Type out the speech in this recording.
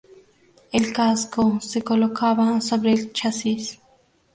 El casco se colocaba sobre el chasis.